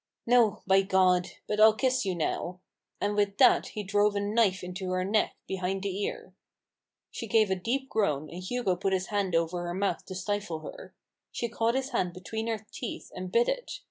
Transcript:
"No, by God! but I'll kiss you now!" and with that he drove a knife into her neck, behind the ear. She gave a deep groan, and Hugo put his hand over her mouth to stifle her. She caught his hand between her teeth and bit it.